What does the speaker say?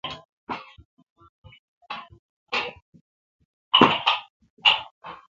می جولال بوُجھ۔